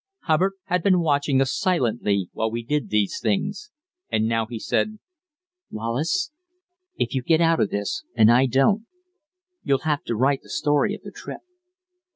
Hubbard had been watching us silently while we did these things, and now he said: "Wallace, if you get out of this, and I don't, you'll have to write the story of the trip."